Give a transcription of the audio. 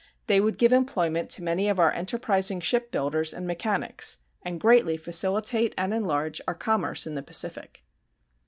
They would give employment to many of our enterprising shipbuilders and mechanics and greatly facilitate and enlarge our commerce in the Pacific.